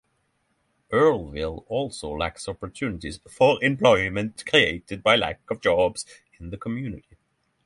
Earlville also lacks opportunities for employment created by lack of jobs in the community.